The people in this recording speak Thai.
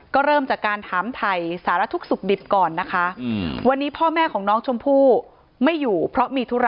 ก็เริ่มจากการถามไทยสารทุกข์สุขดิบก่อนนะคะวันนี้พ่อแม่ของน้องชมพู่ไม่อยู่เพราะมีธุระ